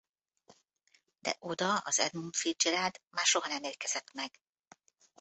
De oda az Edmund Fitzgerald már soha nem érkezett meg.